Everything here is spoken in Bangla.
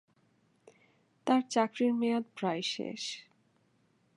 তাঁর চাকরির মেয়াদ প্রায় শেষ।